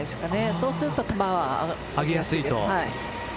そうすると球は上げやすいです。